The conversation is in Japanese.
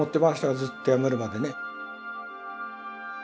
ずっとやめるまでね。